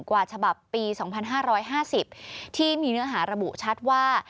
กว่าฉบับปี๒๕๕๐ที่มีเนื้อหาระบุชัดว่า